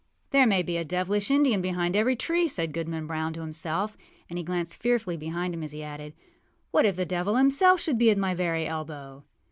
âThere may be a devilish Indian behind every tree,â said Goodman Brown to himself; and he glanced fearfully behind him as he added, âWhat if the devil himself should be at my very elbow!